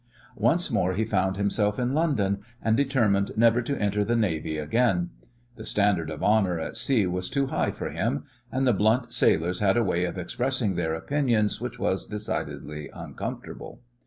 Once more he found himself in London, and determined never to enter the navy again. The standard of honour at sea was too high for him, and the blunt sailors had a way of expressing their opinions which was decidedly uncomfortable.